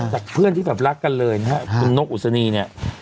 จากเพื่อนที่แบบรักกันเลยนะครับคุณนกอุศนีเนี่ย